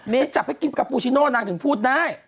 จับให้กินกับปูชิโน่นางถึงพูดได้